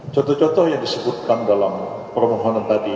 contoh contoh yang disebutkan dalam permohonan tadi